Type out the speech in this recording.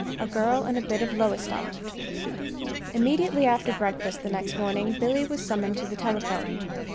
A GIRL AND A BIT OF LOWESTOFT Immediately after breakfast the next morning, Billy was summoned to the telephone.